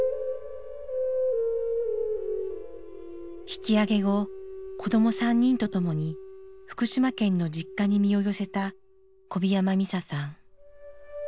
引き揚げ後子ども３人とともに福島県の実家に身を寄せた小檜山ミサさん。